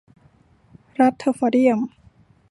รัทเทอร์ฟอร์เดียม